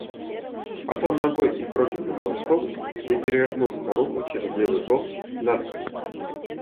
Потом ногой и крокетным молотком я перевернул старуху через левый бок на спину.